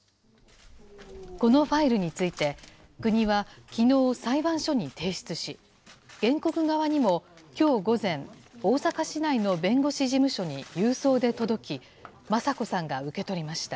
このファイルについて、国はきのう、裁判所に提出し、原告側にもきょう午前、大阪市内の弁護士事務所に郵送で届き、雅子さんが受け取りました。